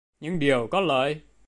những điều có lợi.